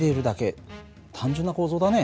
単純な構造だね。